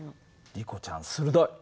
リコちゃん鋭い。